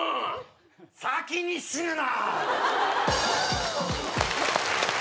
先に死ぬな！